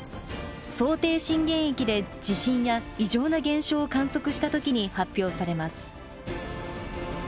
想定震源域で地震や異常な現象を観測したときに発表されます。